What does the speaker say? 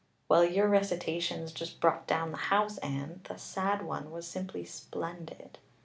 '" "Well, your recitations just brought down the house, Anne. That sad one was simply splendid."